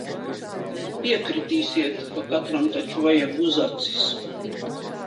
Nu piekritīsiet, ka katram taču vajag uzacis?